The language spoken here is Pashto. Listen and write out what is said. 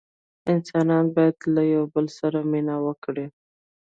انسانان باید له یوه بل سره مینه وکړي.